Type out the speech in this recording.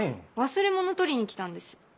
忘れ物取りに来たんです。